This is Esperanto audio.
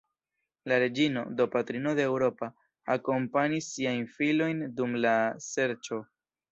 La reĝino, do patrino de Eŭropa, akompanis siajn filojn dum la serĉo.